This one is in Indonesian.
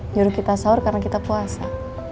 nyuruh kita sahur karena kita puasa